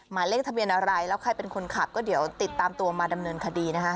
หมายเลขทะเบียนอะไรแล้วใครเป็นคนขับก็เดี๋ยวติดตามตัวมาดำเนินคดีนะคะ